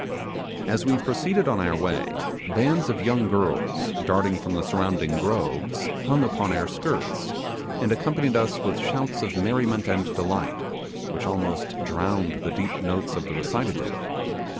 As we proceeded on our way, bands of young girls, darting from the surrounding groves, hung upon our skirts, and accompanied us with shouts of merriment and delight, which almost drowned the deep notes of the recitative.